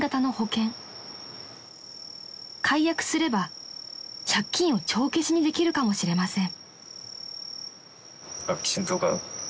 ［解約すれば借金を帳消しにできるかもしれません］